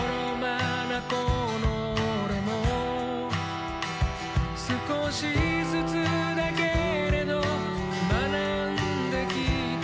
この俺も少しずつだけれど学んできたよ